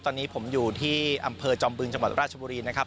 ตอนนี้ผมอยู่ที่อำเภอจอมบึงจังหวัดราชบุรีนะครับ